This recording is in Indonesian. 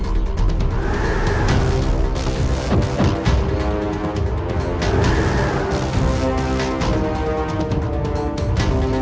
aku sangat mencintai putraku surawi sese